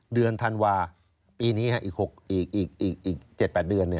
เดือนธันวาค์ปีนี้อีก๗๘เดือนเนี่ย